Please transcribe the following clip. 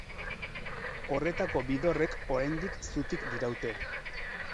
Horretako bi dorrek oraindik zutik diraute.